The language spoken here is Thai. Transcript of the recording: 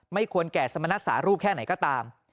ควรแก่สมณสารูปแค่ไหนก็ตาม